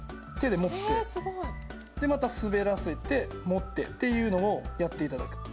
でまた滑らせて持ってっていうのをやっていただく。